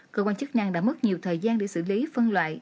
cơ quan chức năng đã mất nhiều thời gian để xử lý phân loại